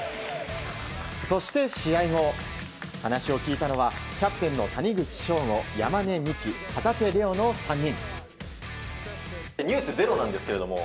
そして試合後、話を聞いたのはキャプテンの谷口彰悟、山根視来旗手怜央の３人。